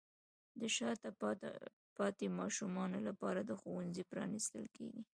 د شاته پاتې ماشومانو لپاره ښوونځي پرانیستل کیږي.